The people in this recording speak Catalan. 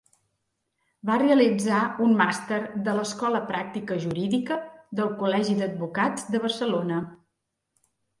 Va realitzar un màster de l'Escola Pràctica Jurídica del Col·legi d'Advocats de Barcelona.